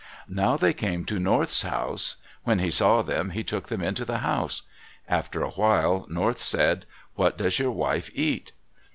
Now they came to North's house. When he saw them he took them into the house. After a while, North said, "What does your wife eat?"